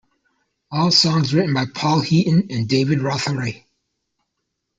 All songs written by Paul Heaton and David Rotheray.